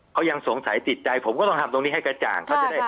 เขายังสงสัยติดใจผมก็ต้องหาตรงนี้ให้กระจ่าง